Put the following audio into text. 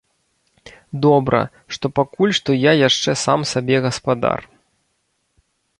Добра, што пакуль што я яшчэ сам сабе гаспадар.